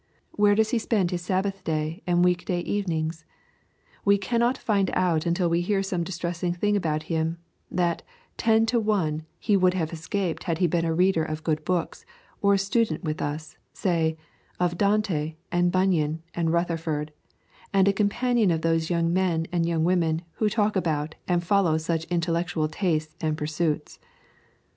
Where does he spend his Sabbath day and week day evenings? We cannot find out until we hear some distressing thing about him, that, ten to one, he would have escaped had he been a reader of good books, or a student with us, say, of Dante and Bunyan and Rutherford, and a companion of those young men and young women who talk about and follow such intellectual tastes and pursuits.